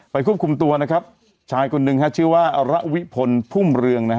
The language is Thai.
ควบคุมตัวนะครับชายคนหนึ่งชื่อว่าอระวิพลพุ่มเรืองนะฮะ